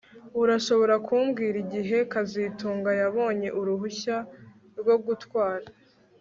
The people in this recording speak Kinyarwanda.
Urashobora kumbwira igihe kazitunga yabonye uruhushya rwo gutwara